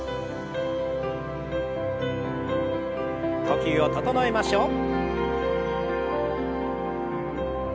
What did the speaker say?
呼吸を整えましょう。